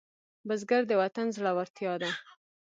بزګر د وطن زړورتیا ده